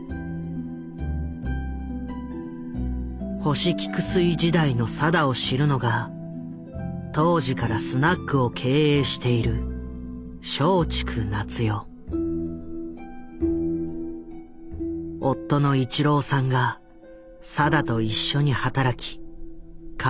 星菊水時代の定を知るのが当時からスナックを経営している夫の一郎さんが定と一緒に働き家族ぐるみでつきあいがあった。